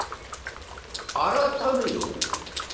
「改めよ？